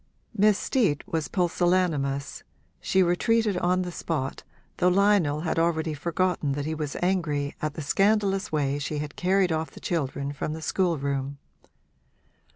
Miss Steet was pusillanimous she retreated on the spot, though Lionel had already forgotten that he was angry at the scandalous way she had carried off the children from the schoolroom.